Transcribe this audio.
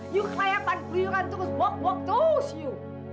ibu kayak pancuriuran terus berjalan jalan terus ibu